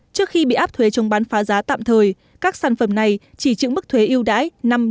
trước khi bị áp thuế chống bán phá giá tạm thời các sản phẩm này chỉ chịu mức thuế yêu đãi năm mươi